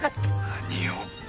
何を。